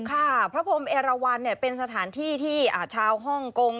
ค่ะพระพรมเอราวันเป็นสถานที่ที่ชาวฮ่องกง